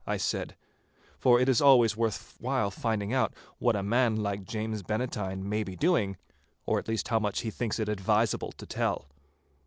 I said, for it is always worth while finding out what a man like James Bannatyne may be doing, or at least how much he thinks it advisable to tell.